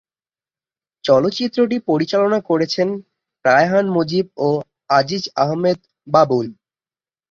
চলচ্চিত্রটি পরিচালনা করেছেন রায়হান মুজিব ও আজিজ আহমেদ বাবুল।